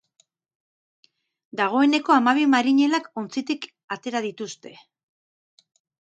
Dagoeneko hamabi marinelak ontzitik atera dituzte.